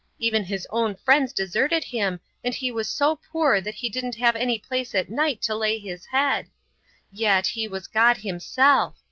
Even His own friends deserted Him and He was so poor that He didn't have any place at night to lay His head. Yet, He was God Himself.